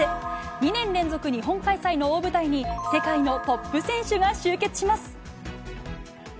２年連続日本開催の大舞台に世界のトップ選手が集結します。